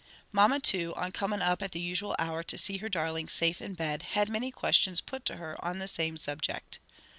Mamma, too, on coming up at the usual hour to see her darlings safe in bed, had many questions put to her on the same subject.